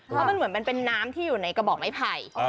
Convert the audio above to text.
เพราะมันเหมือนมันเป็นน้ำที่อยู่ในกระบอกไม้ไผ่